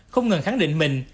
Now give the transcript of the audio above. không ngừng khẳng định mình